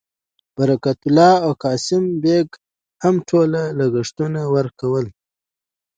برکت الله او قاسم بېګ هم ټول لګښتونه ورکول.